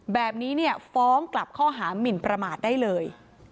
แบบนี้เนี่ยฟ้องกลับข้อหามินประมาทได้เลย